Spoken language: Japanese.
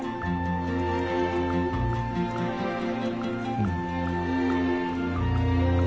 うん。